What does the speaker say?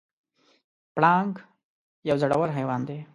پړانګ یو زړور حیوان دی.